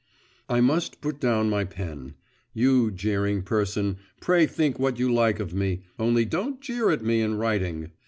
I must put down my pen. You, jeering person, pray think what you like of me, only don't jeer at me in writing.